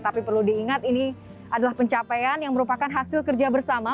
tapi perlu diingat ini adalah pencapaian yang merupakan hasil kerja bersama